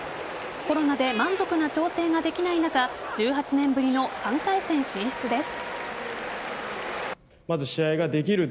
コロナで満足な調整ができない中１８年ぶりの３回戦進出です。